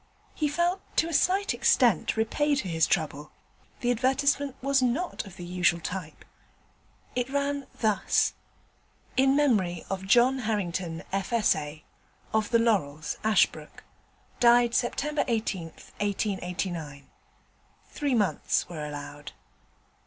He felt to a slight extent repaid for his trouble; the advertisement was not of the usual type. It ran thus: 'In memory of John Harrington, F.S.A., of The Laurels, Ashbrooke. Died Sept. 18th, 1889. Three months were allowed.'